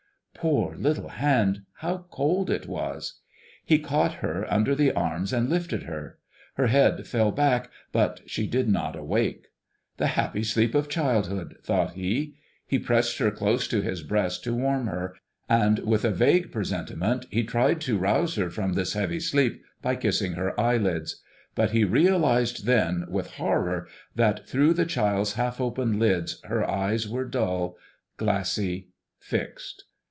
Poor little hand, how cold it was! He caught her under the arms and lifted her. Her head fell back, but she did not awake. "The happy sleep of childhood!" thought he. He pressed her close to his breast to warm her, and with a vague presentiment he tried to rouse her from this heavy sleep by kissing her eyelids. But he realized then with horror that through the child's half open lids her eyes were dull, glassy, fixed.